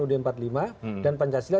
ud empat puluh lima dan pancasila